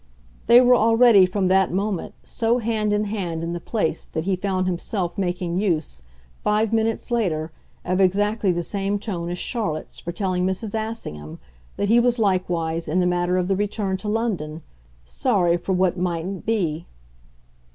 They were already, from that moment, so hand in hand in the place that he found himself making use, five minutes later, of exactly the same tone as Charlotte's for telling Mrs. Assingham that he was likewise, in the matter of the return to London, sorry for what mightn't be.